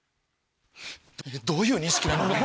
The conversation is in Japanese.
どういう認識なの？ねぇ。